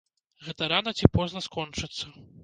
Гэта рана ці позна скончыцца.